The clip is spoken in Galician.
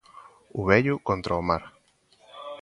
O vello contra o mar.